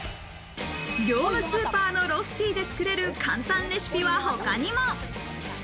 業務スーパーのロスティで作れる簡単レシピは他にも。